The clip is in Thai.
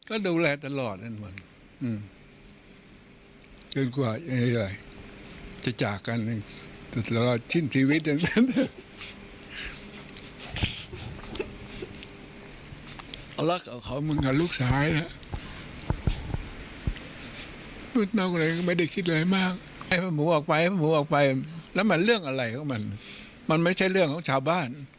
ออกไปแล้วมันเรื่องอะไรก็มันมันไม่ใช่เรื่องของชาวบ้าน